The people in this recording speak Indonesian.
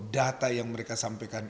data yang mereka sampaikan